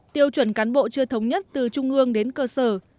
tiêu chuẩn cán bộ chưa thống nhất từ trung ương đến cơ sở